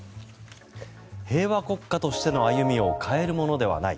平和国家としての歩みを変えるものではない。